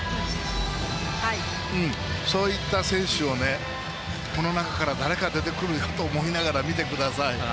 そういった選手をね、この中から誰か出てくるよと思いながら見てください。